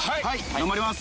頑張ります。